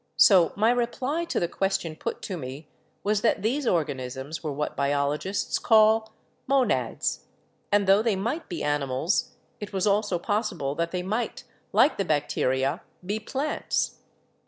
So my reply to the question put to me was that these organisms were what biologists call 'Monads/ and tho they might be animals, it was also possible that they might, like the 'Bacteria,' be plants.